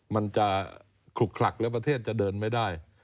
มันจะขลุกคลักแล้วประเทศจะเดินไม่ได้